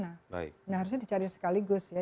nah harusnya dicari sekaligus ya